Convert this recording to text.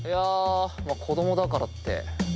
子供だからって。